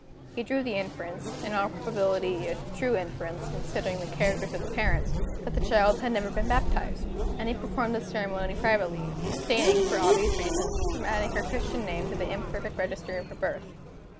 He drew the inference in all probability a true inference, considering the characters of the parents that the child had never been baptized; and he performed the ceremony privately, abstaining, for obvious reasons, from adding her Christian name to the imperfect register of her birth.